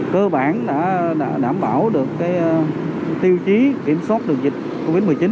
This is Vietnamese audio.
cơ bản đã đảm bảo được cái tiêu chí kiểm soát đường dịch covid một mươi chín